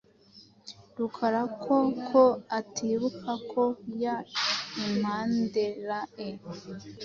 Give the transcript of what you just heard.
Rukara ko ko atibuka ko y impanderae.